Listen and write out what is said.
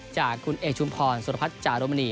จากคุณเอกชุมพรสุรพัฒน์จารุมณี